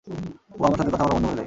ও আমার সাথে কথা বলা বন্ধ করে দেয়।